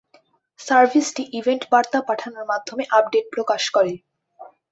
সার্ভিসটি event বার্তা পাঠানোর মাধ্যমে আপডেট প্রকাশ করে।